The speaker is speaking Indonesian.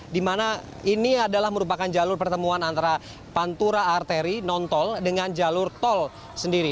di mana ini adalah merupakan jalur pertemuan antara pantura arteri non tol dengan jalur tol sendiri